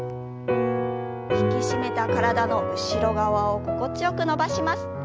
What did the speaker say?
引き締めた体の後ろ側を心地よく伸ばします。